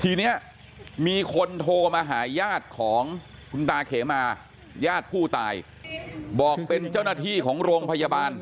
ทีนี้มีคนโทรมาหาญาติของคุณตาเขมาญาติผู้ตายบอกเป็นเจ้าหน้าที่ของโรงพยาบาล